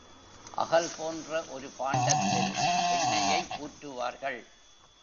அகல் போன்ற ஒரு பாண்டத்தில் எண்ணெயை ஊற்றுவார்கள்.